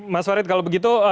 mas farid kalau begitu